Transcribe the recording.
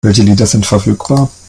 Welche Lieder sind verfügbar?